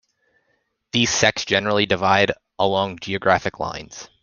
These sects generally divide along geographic lines.